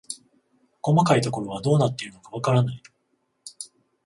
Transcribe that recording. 細かいところはどうなっているのかわからない